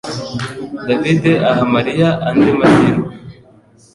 Davide aha Mariya andi mahirwe